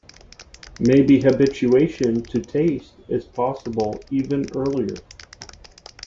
Maybe habituation to taste is possible even earlier.